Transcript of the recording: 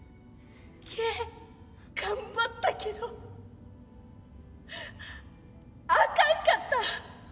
頑張ったけどあかんかった。